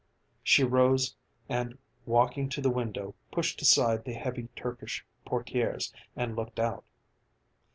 She rose and walking to the window pushed aside the heavy Turkish portières and looked out.